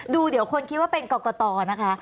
ดูเดี๋ยวคนคิดว่าเป็นกรกตนะคะ